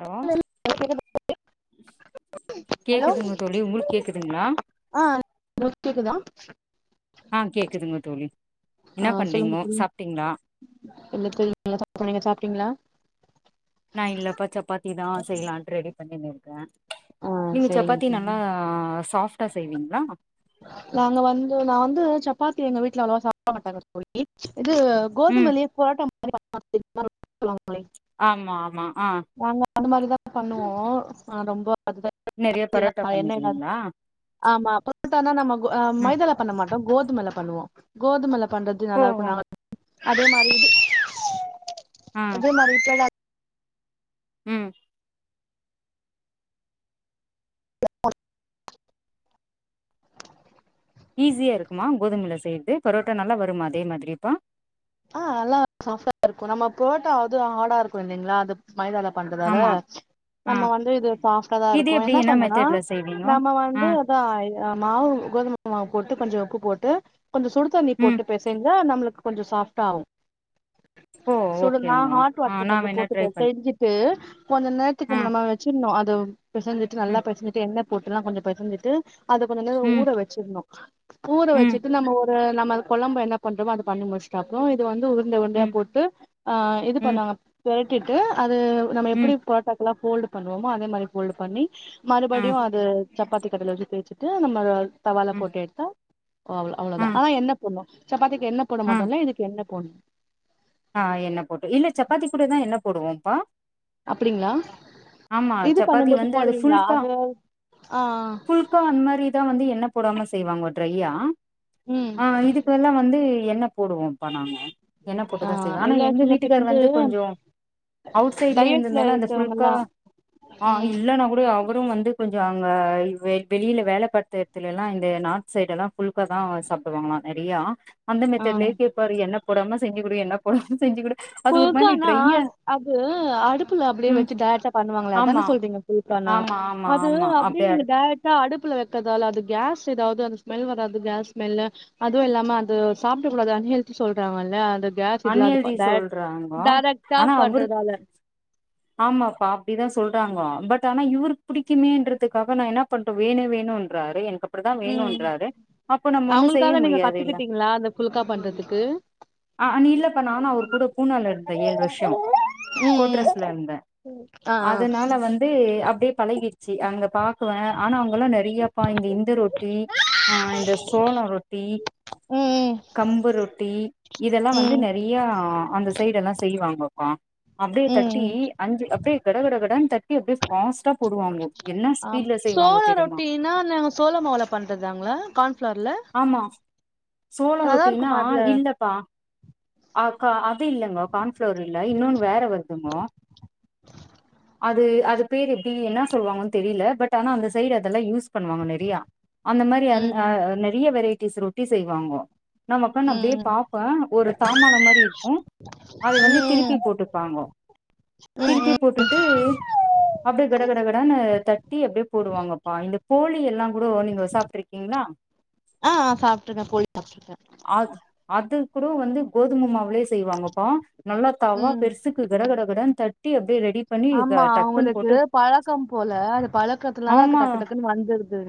hello கேக்குதா hello கேக்குதுங்க தோழி உங்ளுக்கு கேக்குதுங்ளா ஆ [inaudible] கேக்குதா ஆ கேக்குதுங்க தோழி ஆ என்ன சொல்லுங்க பண்றீங்கோ தோழி சாப்ட்டீங்களா இல்ல தோழி [inaudible] நீங்க சாப்டிங்ளா நா இல்லப்பா சப்பாத்தி தா செய்யலான்ட்டு ரெடி பண்ணின்னு இருக்கே ஆ நீங்க சரிங்க சப்பாத்தி தோழி நல்லா சாஃப்ட்டா செய்விங்ளா நாங்க வந்து நா வந்து சப்பாத்தி எங்க வீட்ல அவ்ளவா சாப்ட மாட்டாங்க தோழி இது ம் கோதுமைலே பொரட்டா மாரி [inaudible] தோழி ஆமா ஆமா ஆ நாங்க அந்த மாரிதா பண்ணுவோ ஆனா ரொம்ப அதுதா [inaudible] நெறைய பரோட்டா பண்ணிடுவீங்களா ஆமா பொரட்டானா நம்ம கோ ம் மைதால பண்ண மாட்டோ கோதுமைல பண்ணுவோ கோதுமைல பண்றது ஓ நல்லா ஓ இருக்கு நா அதே மாரி இது ஆ அதே மாரி இப்பைலா ம் ஈஸியா இருக்குமா கோதுமல செய்து பரோட்டா நல்லா வருமா அதே மாதிரிப்பா ஆ நல்லா சாஃப்டா இருக்கு நம்ம பொரட்டாவாது ஹாடா இருக்கு இல்லைங்ளா அது மைதால பண்றதால ஆமா ஆ நம்ம வந்து இது சாஃப்டாதா இது இருக்கு எப்டி என்ன பண்ணுனா மெத்தட்ல செய்வீங்கோ நம்ம ஆ வந்து கா மாவு கோதும மாவு போட்டு கொஞ்சொ உப்பு போட்டு கொஞ்சொ சுடு தண்ணி ம் போட்டு பெசஞ்சா நம்ளுக்கு கொஞ்சொ சாஃப்டா ஆகு ஓ சொல்லுங்க ஓகேங்க ஹாட் ஆ வாட்ரு நா கொஞ்சொ வேணா போட்டு ட்ரை பண் பெசெஞ்சு டு கொஞ்ச ஆ நேர்த்துக்கு நம்ம வச்சுர்னு அது பெசஞ்சுட்டு நல்லா ம் பெசஞ்சிட்டு எண்ண போட்டுலா கொஞ்சொ பெசஞ்சுட்டு அத கொஞ்ச நேரொ ம் ஊற வச்சுர்னு ஊற ம் வச்சுட்டு நம்ம ஒ நம்ம கொழம்ப என்ன பண்றோமோ அத பண்ணி முட்சுட்டு அப்றொ இது வந்து உருண்ட உருண்டயா ம் போட்டு ஆ இது ம் பண்ணாங்க பெரட்டிட்டு அது நம்ம ம் எப்டி பொரட்டாக்குலா ஃபோல்டு பண்ணுவோமோ அதே மாரி ஃபோல்டு பண்ணி ம் மறுபடியு அது சப்பாத்தி கட்டல வச்சு தேச்சுட்டு நம்ம தவால ம் போட்டு எடுத்தா அவ் அவ்ளோதா ம் ஆனா எண்ண போட்னு சப்பாத்திக்கு எண்ண போ ம் வந்தொன்ன இதுக்கு எண்ண போன்னு ஆ எண்ண போட்டு இல்ல சப்பாத்தி கூடதா என்ன போடுவோம்ப்பா அப்டிங்ளா ஆமா இது சப்பாத்தி பண்ணும்போது வந்து அது போடுவீங்ளா அது ஆ க்கா அந்த மாரிதா வந்து எண்ணெ போடாம செய்வாங்கோ ட்ரையா ம் ஆ இதுக்கெல்லா வந்து எண்ண போடுவோம்ப்பா நாங்க எண்ண ஆ போட்டுதா செய்வோ ஆனா இல்ல எங்க சில பேர் வீட்டுக்கார் வந்து கொஞ்சோ அவுட் சைட்லயே டயட்ல இந்திருந்தால அந்த புல்கா இருக்கவங்கல்லா ஆ ம் இல்லனா கூட அவரு வந்து கொஞ்சோ அங்க வெளில வேல பாத்து இதுல இந்த நார்த் சைடு எல்லா புல்காதா சாப்டுவாங்ளா நெறைய அந்த ஆ மெத்தெட்லயே கேக்கும் அவரு எண்ணெ போடாம செஞ்சு குடு எண்ணெ போடாமா செஞ்சு குடு அது ஒரு மாரி புல்கானா ட்ரையா அது அடுப்புல புல்கானா அது அடுப்புல அப்டியே ம் வெச்சு டைரக்டா பண்ணுவாங்ளே அதானே ஆமா சொல்றீங்க புல்கானா ஆமா ஆமா அது ஆமா அப்டியே அப்டியா நீங்க டை ரக்டா அடுப்புல வெக்கறதால அது கேஸ் எதாவது அந்த ஸ்மெல் வராது கேஸ் ஸ்மெல்லு அதுவு இல்லாம அது சாப்ட கூடாது அன்ஹெல்தி சொல்றாங்கல்ல அந்த கேஸ் இதுல்ல அது அன்ஹெல்தி டை சொல்றாங்கோ டைரக்ட்டா ஆனா அவரு பண்றதால ஆமாப்பா அப்டிதா சொல்றாங்க பட் ஆனா இவருக்கு புடிக்குமேன்றதுக்காக நா என்ன பண் வேணு வேணுன்றாரு எனக்கு அப்டிதா ம் வேணுன்றாரு அப்ப நம்ம ஒன்னு செய்ய அவங்களுக்காக நீங்க முடியாது இல்ல கத்துக்கிட்டீங்களா அந்த புல்கா பண்றதுக்கு ஆ நீ இல்லப்பா நானு அவர் கூட பூனேல இருந்த ஏழு வருஷோ ம் ம் கோட்ரஸ் ல இருந்த ஆ ஆ அதனால வந் து அப்டியே பழகிருச்சு அங்க பாக்குவேன் ஆனா அவுங்கெல்லா நெறையாப்பா இந்த இந்த ரொட்டி ஆ இந்த சோளோ ரொட்டி ம் ம் கம்பு ரொட்டி இதெல்லா வந்து நெறைய அந்த சைடெல்லா செய்வாங்கப்பா அப்டியே த ம் ட்டி ம் அஞ்சு அப்டியே கட கட கடனு தட்டி அப்டியே ஃபாஸ்ட்டா போடுவாங்க எல்லா ஆ சோள ரொட்டினா நாங்க சோளமாவுல பண்றதாங்ளா கான்பிளார்ல ஆமா சோளோ ரொட்டினா இருக்குமா அதுல இல்லப்பா அ கா அது இல்லங்க கார்ன்ஃப்ளோர் இல்ல இன்னொன்னு வேற வருதுங்கோ [unintelligible] [inaudible] அது அது பேர் எப்டி என்னா சொல்லுவாங்கன்னு தெரில பட் ஆனா அந்த சைடு அதெல்லா யூஸ் பண்ணுவாங்க நெறையா அந்த மாரி ம் அ ம் நெறைய வெரைட்டிஸ் ரொட்டி செய்வாங்க நா உக்கான்னு ம் அப்டியே ம் பாப்பேன் ஒரு தாமால மாரி இருக்கு அதை வந்து ம் திருப்பி ம் போட்டு ப்பாங்கோ திருப்பி போட்டுட்டு அப்டியே கட கட கடனு தட்டி அப்டியே போடுவாங்கப்பா இந்த போழி எல்லாங் கூடோ நீங்க சாப்ட்டு இருக்கீங்ளா ஆ சாப்ட்டுருக்கன் போழி சாப்ட்டுருக்கன் அது அது கூட வந்து கோதும மாவுலயே செய்வாங்கப்பா நல்லா தவா ம் பெருசு கட கட கடன் தட்டி அப்டியே ரெடி பண்ணி ட ஆமா டக்குன்னு அவுங்களுக்கு போட்டு பழக்கம் போல அது பழக்கத்துனால டக்கு ஆமா டக்கு டக்குன்னு வந்துருது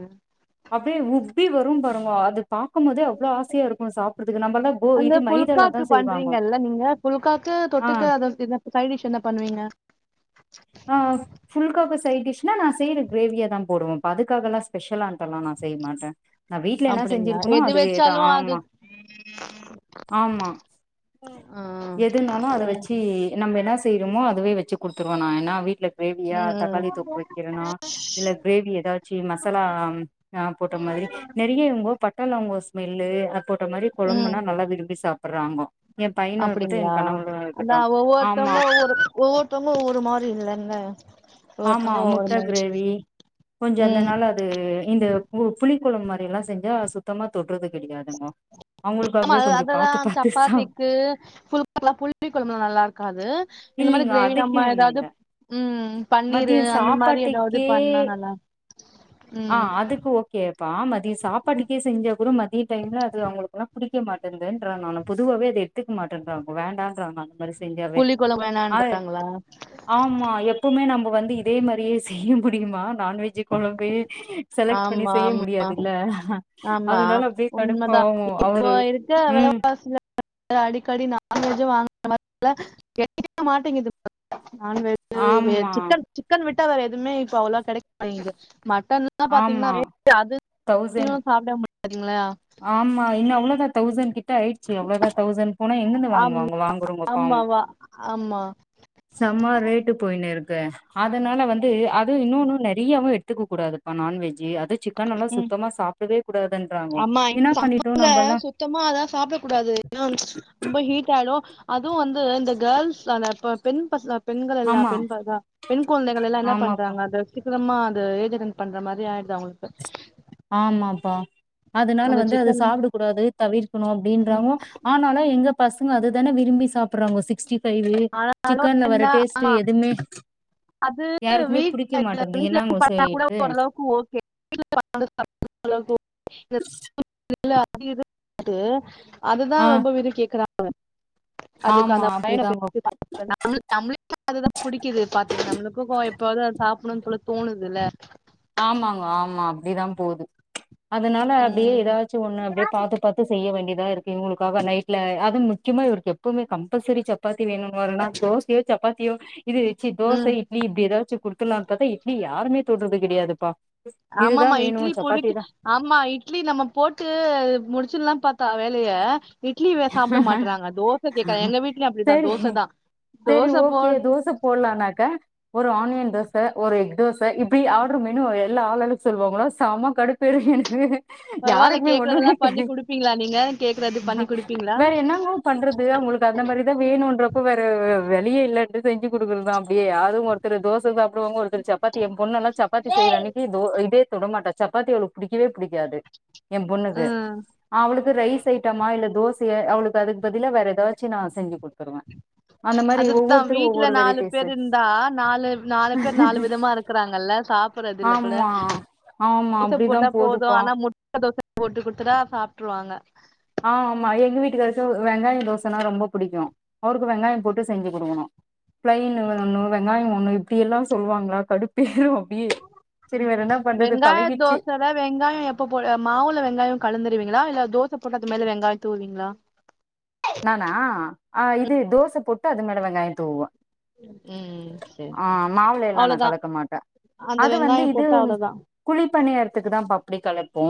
அப்டியே உப்பி வரும் பாருங்கோ அது பாக்கும்போதே அவ்ளோ ஆசயா இருக்கு சாப்பறதுக்கு நம்மல்லா கோ அந்த இது மைதாலலதா புல்காக்கு செய்வாங்க பண்றீங்கல்ல நீங்க புல்காக்கு ஆ தொட்டுக்க அது அப்டிதா சைடு டிஷ் என்ன பண்ணுவீங்க அ ஃபுல்க்காக்கு சைட் டிஷ்னா நா செய்யற கிரேவியாதான் போடுவேன்ப்பா அதுக்காகெல்லா ஸ்பெஷலான்ட்டெல்லா நா செய்ய மாட்ட நா வீட்ல என்ன அப்டிங்களா செஞ்சிருக்கனோ எது அதுவேதா வெச்சாலு அது ஆமா ஆமா ஆ எதுனாலு அத வெச்சு நம்ம என்ன செய்யறோமோ அதுவே வெச்சு குடுத்துருவோ நா என்னா வீட்ல கிரேவியா ம் தக்காளி தொக்கு வெக்கறனா இல்ல கிரேவி எதாது ச்சி மசாலா ஆ போட்ட மாதிரி நெறைய இவங்கோ பட்ட லவங்கோ ஸ்மெல்லு போட்ட மாரி ம் கொழம்புனா நல்லா விரும்பி சாப்பட்றாங்கோ அப்டிங்களா அதா ஆமா ஒவ்வொருத்தவங்க ஒவ்வொரு ஒவ்வொருத்தவங்க ஒவ்வொரு மாரி இல்லல்ல ஆமா முட்ட கிரேவி கொஞ்சோ ம் அந்தனால அது இந்த பு புளி கொழம்பு மாரி எல்லா செஞ்சா சுத்தமா தொட்றது கெடையாதுங்க ஆமா அத அததா சப்பாத்திக்கு [inaudible] கொளம்புல நல்லா இருக்காது இந்த மாரி இல்லைங்க கிரேவி நம்ம அதுக்குன்னு எதாவது இல்ல ம் பன்னீரு மதிய அந்த மாரி எதாவது சாப்பாட்டுக்கே பண்ணா நல்லா ஆ ம் அதுக்கு ஒ கேப்பா மதியோ சாப்பாட்டுக்கே செஞ்சா கூட மதிய டைம்ல அது அவுங்களுக்குல்லா புடிக்க மாட்டன்துற நானு பொதுவாவே அது எ கத்துக்க மாட்டன்றாங்க வேண்டான்றாங்க அந்த மாரி செஞ்சாவே புளி கொழம்பு ஆ வேணான்றாங்களா ஆமா எப்பவுமே நம்ம வந்து இதே மாரியே செய்ய முடியுமா நான்வெஜ்ஜு கொழம்பே செலக்ட் பண்ணி ஆமா ஆமா செய்ய முடியாதுல்ல ஆமா அதனால அப்படியே கடுப்பாவு அவரு க [inaudible] [inaudible] ம் அடிக்கடி [inaudible] மாட்டேங்குது [inaudible] து ஆமா சிக்கன் சிக்கன் விட்ட வேற எதுவுமே இப்ப அவ்ளோ கெடைக்க [inaudible] மட்டன் என்ன பாத்திங்கன்னா ஆமா ரே அது தௌசண்ட் சாப்பிட [inaudible] ஆமா இன்னு அவ்வளோதா தௌசண்ட் கிட் கிட்ட ஆயிடுச்சு அவ்வளோதா தௌசண்ட் போனா எங்கிருந்து ஆம் வாங்குவாங்க வாங்குறோங்க பாவோ ஆமாவா ஆமா சம்மா ரேட்டு போயின்னுருக்க அதனால வந்து அதுவு இன்னொன்னு நெறையாவு எடுத்துக்க கூடாது ப்ப நான்வெஜ்ஜு அது சிக்கன் அல்லா ம் சுத்தமா சாப்படவே கூடாதுன்றாங்கோ [inaudible] என்னா பண்ணிட்டோ நம்பல்லா சுத்தமா அதா சாப்பட கூடாது என்னா ரொம்ப ஹீட் ஆயிடு அதூ வந்து இந்த கேர்ள்ஸ் அந்த ப பெண் பச பெண்கள் எல்லா ஆமா பெண் ப தா பெண் கொழந்தைகள் எல்லா என்ன ஆமாப்பா பண்றாங்க அது சீக்கரமா அது ஏஜ் அட்டன் பண்ற மாரி ஆயிடுது அவங்களுக்கு ஆமாப்பா அதனால அந்த வந்து அது சிக்கன்லா சாப்பட கூடாது தவிர்க்கணு ம் அப்படின்றாங்கோ ஆனால எங்க பசங்க அது தானே விரும்பி சாப்படறாங்கோ சிக்ஸ்டி தயிறு ஆனா சிக்கன்ல என்ன வர டேஸ்ட் ஆமா எதுமே அது யாருக்குமே புடிக்க மாட்டேன்து என்னாங்கோ [inaudible] பண்ணா கூட செய்றது ஓரளவுக்கு ஓகே [inaudible] அதுதா ஆ ரொம்ப [inaudible] கேக்றாக அதுக்கு ஆமா அந்த பயன அப்டிதாங்கோ [inaudible] நம்மளு நம்மளுக்கு அதுதா பிடிக்குது [inaudible] நம்மளுக்கு கோ எப்பவாது அது சாப்படணும்னு சொல்லி தோணுதுல்ல ஆமாங்க ஆமா அப்டிதா போது அதனால அப்படியே ம் எதாச்சு ஒன்னு அப்படியே பாத்து பத்து செய்ய வேண்டியதா இருக்கு இவுங்களுக்காக நைட்ல அது முக்கியமா இவருக்கு எப்பவுமே கம்பல்சரி சப் சப்பாத்தி வேணு வருனா தோசயே சப்பாத்தியோ இது ச்சி தோச ம் இட்லி இப்டி எதாச்சு குடுத்துலான்னு பாத்தா இட்லி யாருமே தொடறது கெடையாதுப்பா இது தா ஆமாமா வேணு இட்லி சப்பாத்தி புடிக்கு தா ஆமா இட்லி நம்ம போட்டு முடிச்சர்லா பாத்தா வேலய இட்லிவே சாப்ட மாட்டறாங்க தோச கேட்கற எங்க வீட்லயு அப்படிதா தோச தா சேரி தோசை ஓகே போட்டு தோச போடலானாக்கா ஒரு ஆனியன் தோச ஒரு எக் தோச இப்டி ஆர்டர் மெனு எல்லா ஆளு ஆளுக்கு சொல்லுவாங்களா சம்மா கடுப்பு பெருகு எனக்கு பரவால்ல யாருக்குமே கேக்கறதெல்லா ஒண்ணுமே பண்ணி தெரி குடுப்பீங்களா நீங்க கேக்கறது பண்ணி குடுப் வேற என்னாங் எப்பவு பண்றது அவங்களுக்கு அந்த மாரிதா வேணும்ன்றப்ப வேற வெழியே இல்லாட்டி செஞ்சு கொடுக்குறதுதா அப்டியே அதுவு ஒரு திரு தோச சாப்பிடுவாங்க ஒருத்திரு சப்பாத்தி என் பொண்ணல்லா சப்பாத்தி செய்யற அன்னைக்கு தோ இதே தொட மாட்டா சப்பாத்தி அவளுக் புடிக்கவே புடிக்காது என் பொண்ணுக்கு ம் அவளுக்கு ரைஸ் ஐட்டமா இல்ல தோசையை அவளுக்கு அதுக்கு பதில வேற ஏதாச்சு நா செஞ்சு குடுத்துருவே அந்த மாரி அதுதா ஒவ்வொருத்தரு வீட்டுல ஒவ்வொரு நாலு வெரைட்டிஸு பேர் இருந்தா நாலு நாலு பேர் நாலு விதமா இருக்கு க்றாங்கல்ல சாப்பிடடுறது இல்லகூட ஆமா ஆமா தோச அப்டிதா போட்டா போது போதுப்பா ஆனா முட்ட தோச போட்டு கொடுத்துட்டா சாப்பிட்டுருவாங்க ஆ ஆமா எங்க வீட்டுக்காரக்கு வெங்காய தோசனா ரொம்ப புடிக்கு அவருக்கு வெங்காய போட்டு செஞ்சு குடுக்கணு பிளைனு ஒன்னு வெங்காய ஒன்னு இப்டி எல்லா சொல்லுவாங்களா கடுப் பேரு அப்டியே செரி வேற என்ன பண்றது பழகிச்சு இல்ல வெங்காயம் எப்போ போட மாவுல வெங்காயம் கலந்துருவீங்களா இல்ல தோச போட்டு அது மேல வெங்காயம் தூவீங்களா நானா ஆ இது தோச போட்டு அது மேல வெங்காயம் தூவே ம் சேரி ஆ சேரி மாவுல எல்லா நா அவ்ளோதா கலக்க மாட்டே அந்த அது வந்து வெங்காயோ இது போட்டு அவ்ளோதா குழி பணியறத்துக்கு தா பா அப்டி கலப்போ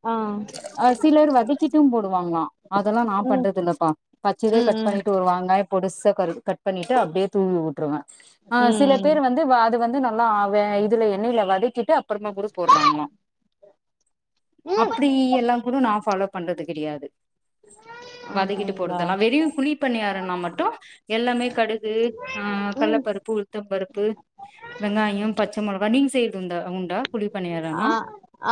ஆ அ சிலர் வதக்கிட்டும் போடுவாங்களா அதெல்லா நா ம் பண்றது தில்லப்பா பச்சதே ம் கட் ம் ம் பண்ணிட்டு ஒரு வாங்காயோ பொடுசா கரு கட் பண்ணிட்டு அப்டியே தூவி வுட்டுருவே ஆ சில ம் பேர் வந்து அது வந்து நல்லா வ இதுல எண்ணெயில வதக் கிட்டு அப்பறமா கூட போறாங்களா அப்டி எல்லா கூட நா ஃபாலோ பண்றது கெடையாது வதக்கிட்டு அப்டிங்களா போடுறதெல்லா வெரு குழி பணியாரம்னா மட்டு எல்லாமே கடுகு ஆ கடலப்பருப்பு உ ளுந்தம் பருப்பு வெங்காயம் பச்ச முளகா நீங்க செய்றது உண்டா உண்டா குழி பணியாரம்லா ஆ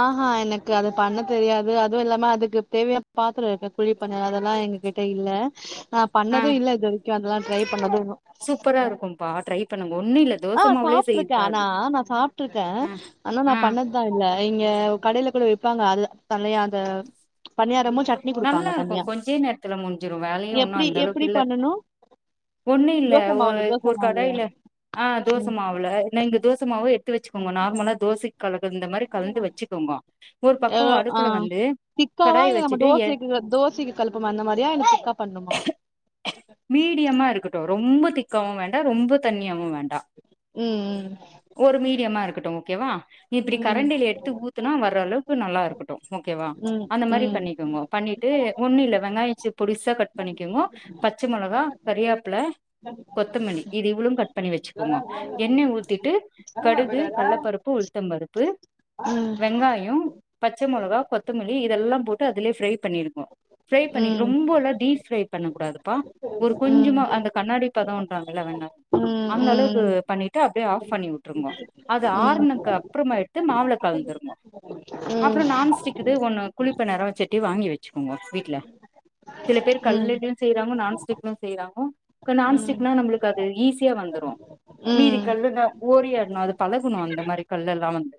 ஆஹா எனக்கு அது பண்ண தெரியாது அதுவு இல்லாம அதுக்கு தேவயான பாத்திரம் இருக்கு குழிப்பனையாரம் அதெல்லா எங்க கி ட்ட இல்ல நா ஆ பண்ணது இல்ல இது வரைக்கு அதெல்லா ட்ரை பண்ணது நா சூப்பரா இருக்கும்பா ட்ரை பண்ணுங்க ஒன்னு இல்ல ஆ தோச மாவுலே சாப்ட்டுருக்கே செய்றதா ஆனா அது நா சாப்ட்டுருக்கே ஆ ஆனா நா ஆ பண்ணது தா இல்ல இங்க கடையில கூட விப்பாங்க அது தனியா அந்த பணியாரமு சட்னி நல்லா குடுப்பாங்க இருக்கு தனியா கொஞ்சே நேரத்தல முடிஞ்சிரு வேலயு ஒன்னு எப்டி அந்த அளவுக்கு எப்டி இல்ல பண்ணனு ஒன்னு இல்ல தோச ஒரு மாவுல தோச ஒரு மாவுலயா கடாயில ஆ தோச மாவுல இங்க தோச மாவு எடுத்து வச்சுக்குங்க நார்மலா தோசைக் கலக்க இந்த மாரி கலந்து வச்சுக்கோங்க ஒரு பக்கோ எவ்ளோ ஆ அடுப்பல வந்து திக்காவா கடாய நம்ம வச்சுட் இல்ல தோசைக்கு தோசைக்கு கலப்போமே அந்த மாரியா இல்ல திக்கா பண்ணுமா மீடியமா இருக்கட்டு ரொம்ப திக்காவு வேண்டா ரொம்ப தண்ணியாவு வேண்டா ம் ஒரு மீடியமா இருக்கட்டு ஓகேவா இப்டி ம் கரண்டில எடுத்து ஊத்னா வர அளவுக்கு நல்லா இருக்கட்டு ஓகேவா ம் அந்த மாரி ம் பண்ணிக்கோங்கோ பண்ணிட்டு ஒன்னில்ல வெங்காயச்சு பொடிசா கட் பண்ணிக்கோங்கோ பச்ச மொளகா கரியேப்பில கொத்தமல்லி இது இவ்வளு கட் பண்ணி வச்சுக்கோங்கோ எண்ணெ ஊத்திட்டு கடுகு கடலப்பருப்பு உளுத்தம் பருப்பு வெங்காயோ பச்ச மொளகா கொத்தமல்லி இதெல்லா போட்டு அதுலயே ஃப்ரை பண்ணிருங்கோ ஃப்ரை பண்ணி ம் ரொம்போல்லா டீப் ஃப்ரை பண்ணக்க கூடாது பா ஒரு ம் கொஞ்சோமா அந்த கண்ணாடி பதம்பாம்கல்ல வெண்ண ம் ம் அந்த அளவுக்கு ம் பண்ணிட்டு அப்டியே ஆஃப் பண்ணி உட்டுருங்க அது ம் ஆருணத்துக்கு அப்பறமா எத்து மாவுல கலந்துருங்கோ ம் அப்றோ நான் ஸ்டிக் இது ஒண்ணு குழிப்பணியார சட்டி வாங்கி வச்சுக்கோங்க வீட்ல சில பேர் கல்லுல செய்றாங்க நான்ஸ்டிக்குலயு செய்யறாங்க நான்ஸ்டிக்னா நம்மளுக்கு அது ஈஸியா வந்துரு ம் மீதி ம் கல்லுன்ன ஓரியாடணு அது பழகணு அந்த மாரி கல்லெல்லா வந்து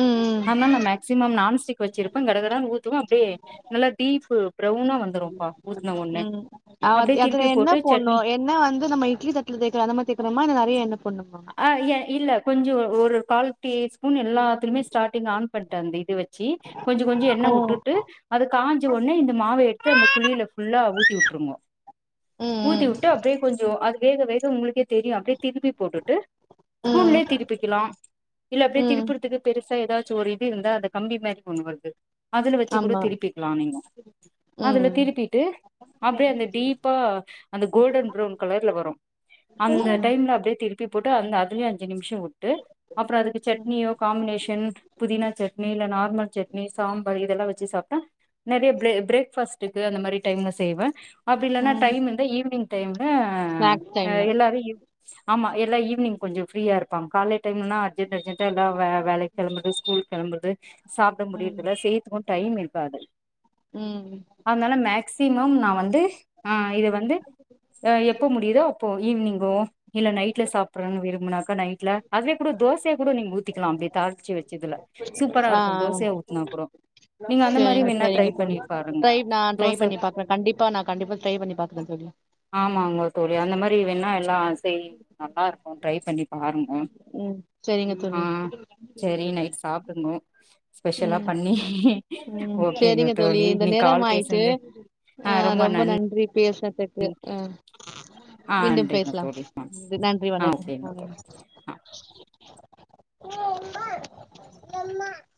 ம் ஆமா நா மேக்சிமம் நான் ஸ்டிக் வச்சிருப்போ கடகடன்னு ஊத்துவே அப்டியே நல்லா டீப்பு ப்ரௌனா வந்துரும்பா ஊத்துன ம் ஒட்னே ம் அ அப்டியே அதுல திருப்பி என்ன போட்டு போணு சட்னி எண்ணெய் வந்து நம்ம இட்லி தட்ல தேக்கற அந்த மாரி தேக்கணுமா இல்ல நெறய எண்ணெ போடனுமா ஆ ஏ இல்ல கொஞ்சோ ஒரு கால் டீ ஸ்பூன் எல்லாத்துலயுமே ஸ்டார்ட்டிங் ஆன் பண்டே அந்த இது வ ச்சி கொஞ்சோ கொஞ்சோ எண்ணெ ம் வுட்டுட்டு அத காஞ்சவுனே இந்த மாவ எடுத்து அந்த குழியில ஃபுல்லா ஊத்தி வுட் ருங்கோ ம் ஊத்திவுட்டு அப்டியே கொஞ்சோ அது வேக வேக உங்களுக்கே தெரியு அப்டியே திருப்பி போட்டுட்டு ம் ஸ்பூன்லயே திருப்பிக்கலா இல்ல அப்டியே ம் திருப்பறதுக்கு பெருசா ஏதாச்சு ஒரு இது இருந்தா அது கம்பி மாரி ஒன்னு வருது அதுல வச்சு கூட ஆமா திருப்பிக்கலா நீங்க ம் அதுல திருப்பிட்டு அப்டியே அந்த டீப்பா அந்த கோல்டன் ப்ரெவ்ன் கலர்ல வரு அந்த ம் டைம்ல அப்டியே திருப் பி போட்டு அந்த அதுலயு அஞ்சு நிமிஷோ வுட்டு அப்றோ அதுக்கு சட்னியோ காம்பினேஷன் புதினா சட்னி இல்ல நார்மல் சட்னி சாம்பார் இதெல்லா வச்சு சாப்ட்டா நெறையா பிரே பிரேக்ஃபாஸ்ட்டுக்கு அந்த மாரி டைம்ல சா தேவ அப்டி இல்லன்னா ம் டைம் இந்தா ஈவினிங் டைம்ல ஸ்நாக்ஸ் ஆ டைம்ல எல்லாரு இருக் ஆமா எல்லா ஈவ்னி்ங் கொஞ்சோ ஃப்ரீயா இருபாங்க கால டைம்ணா அர்ஜன்ட் அர்ஜன்டா எல்லா வேல வேலைக்கு கெளம்புரது ஸ்கூல் கெளம்புரது சாப்பட ம் முடியரதுல செய்ய டைம் இருக்காது ம் அதுனால மேக்சிமம் நா வந்து ஆ இது வந்து அ எப்ப முடியுதோ அப்போ ஈவினிங்கோ இல்ல நைட்ல சாப்றேனு விரும்பனா நைட்ல அதே கூட தோசையா கூட நீங்க ஊத்திக்கலா அப்டியே தாளிச்சி வச் சு இதுல சூப்பரா ஆ இருக்கு ஆ தோசையா ஊத்துனா கூடோ சேரிங்க சேரிங்க தோழி பாருங்க ட்ரை நா ட்ரை தோச பண்ணி பாக்றே கண்டிப்பா நா கண்டிப்பா ட்ரை பண்ணி பாக்றே தோழி ஆமாங்கோ தோழி அந்த மாரி வேணா எல்லா செய் நல்லா இருக்கு ட்ரை பண்ணி பாருங்கோ ம் சேரிங்க தோழி சேரி நைட் சாப்பணு ஸ்பெஷலா ம் பண்ணி ம் ஓகேங்க சேரிங்க தோழி இந்த இன்னைக்கு நேரம் கால் ஆயிட்டு பேசுனது ஆ ரொம்ப நன்றி பேசனதுக்கு ஆ ஆ மீண்டும் நன்றிங்க பேசலாம் தோழி ஆ நன்றி ஆ வணக்கம் ஓகேங்க தோழி ஆ வணக்கம்